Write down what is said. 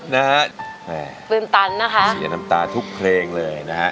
นะฮะตื่นตันนะคะเสียน้ำตาทุกเพลงเลยนะฮะ